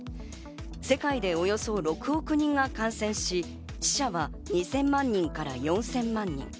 世界でおよそ６億人が感染し、死者は２０００万人から４０００万人。